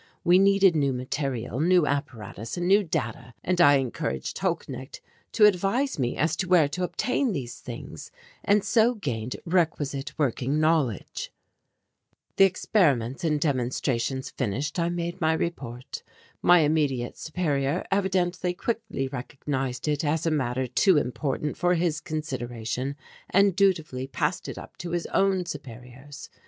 We needed new material, new apparatus, and new data and I encouraged Holknecht to advise me as to where to obtain these things and so gained requisite working knowledge. The experiments and demonstrations finished, I made my report. My immediate superior evidently quickly recognized it as a matter too important for his consideration and dutifully passed it up to his own superiors.